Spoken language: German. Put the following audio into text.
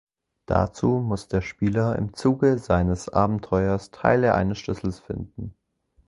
Dazu muss der Spieler im Zuge seines Abenteuers Teile eines Schlüssels finden.